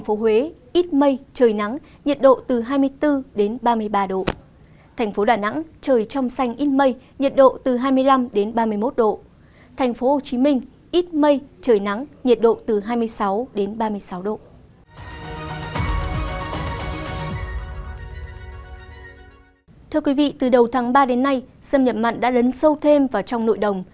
thưa quý vị từ đầu tháng ba đến nay xâm nhập mặn đã lấn sâu thêm vào trong nội đồng